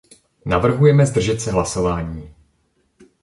Navrhujeme zdržet se hlasování.